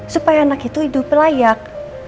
supaya anak itu hidup layak